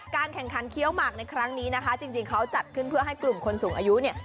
แข่งขันเคี้ยวหมากในครั้งนี้นะคะจริงเขาจัดขึ้นเพื่อให้กลุ่มคนสูงอายุเนี่ย